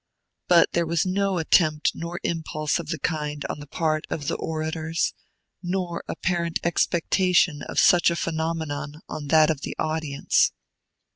But there was no attempt nor impulse of the kind on the part of the orators, nor apparent expectation of such a phenomenon on that of the audience.